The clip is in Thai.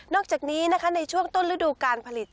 นอกจากนี้ในช่วงต้นฤดูการผลิต